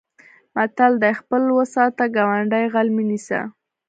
متل دی: خپل و ساته ګاونډی غل مه نیسه.